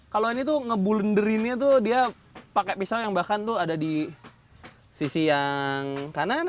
kalau ini tuh ngebulinderinnya tuh dia pakai pisau yang bahkan tuh ada di sisi yang kanan